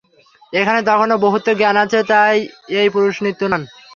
এখানে তখনও বহুত্ব-জ্ঞান আছে, তাই এই পুরুষ নিত্য নন।